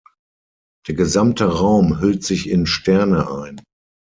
Der gesamte Raum hüllt sich in Sterne ein.